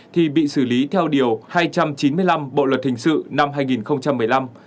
thì bị xử lý theo điều hai trăm chín mươi năm bộ luật hình sự năm hai nghìn một mươi năm